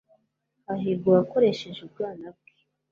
hahirwa uwakoresheje ubwana bwe